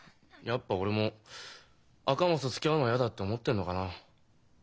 やっぱ俺も赤松とつきあうのは嫌だって思ってんのかな。